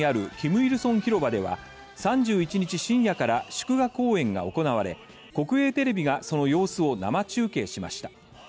成広場では３１日深夜から祝賀公演が行われ国営テレビがその様子を生中継しました。